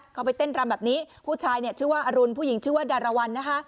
เขาไปเต้นรำแบบนี้ผู้ชายเนี่ยชื่อว่าอรุณผู้หญิงชื่อว่าดารวรรณนะคะ